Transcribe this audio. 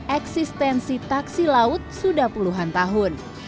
eksistensi taksi laut sudah puluhan tahun